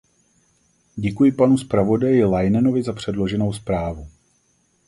Děkuji panu zpravodaji Leinenovi za předloženou zprávu.